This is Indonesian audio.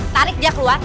tarik dia keluar